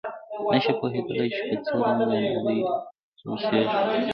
نه شي پوهېدای چې په څه رنګه نړۍ کې اوسېږي.